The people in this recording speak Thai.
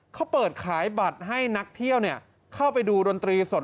เขาเปิดขายบัตรให้นักเที่ยวเข้าไปดูดนตรีสด